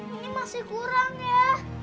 ini masih kurang ya